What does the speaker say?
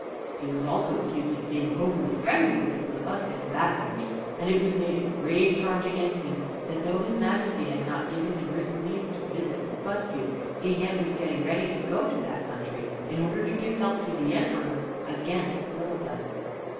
He was also accused of being over friendly with the Blefuscan ambassadors; and it was made a grave charge against him that though his Majesty had not given him written leave to visit Blefuscu, he yet was getting ready to go to that country, in order to give help to the Emperor against Lilliput.